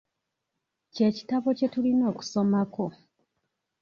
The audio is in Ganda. Kye kitabo kye tulina okusomako.